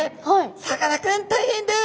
「さかなクン大変です！」。